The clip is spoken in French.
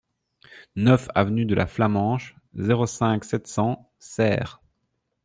neuf avenue de la Flamenche, zéro cinq, sept cents Serres